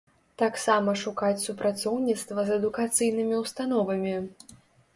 Таксама шукаць супрацоўніцтва з адукацыйнымі ўстановамі.